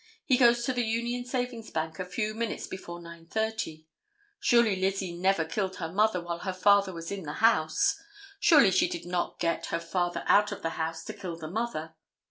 He goes to the Union Savings Bank a few minutes before 9:30. Surely Lizzie never killed her mother while her father was in the house. Surely she did not get her father out of the house to kill the mother.